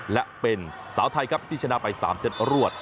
และเป็นสาวไทยครับที่ชนะไป๓เซตรวด